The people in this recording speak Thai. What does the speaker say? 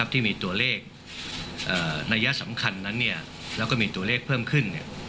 ที่มีตัวเลขนัยสำคัญนั้นแล้วก็มีตัวเลขเพิ่มขึ้น